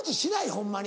ホンマに。